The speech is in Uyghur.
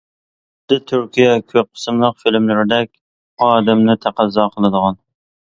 خۇددى تۈركىيە كۆپ قىسىملىق فىلىملىرىدەك، ئادەمنى تەقەززا قىلىدىغان.